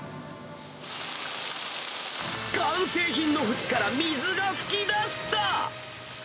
完成品の縁から水が噴き出した！